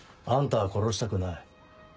あんたを殺したくない。